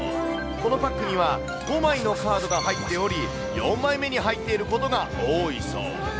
このパックには、５枚のカードが入っており、４枚目に入っていることが多いそう。